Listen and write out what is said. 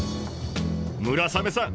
村雨さん